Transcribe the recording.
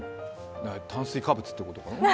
炭水化物ってことかな？